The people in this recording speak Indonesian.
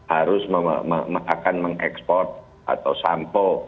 harus akan mengekspor atau sampo